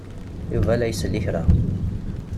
Yuba la isell i kra.